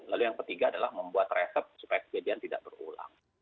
lalu yang ketiga adalah membuat resep supaya kejadian tidak berulang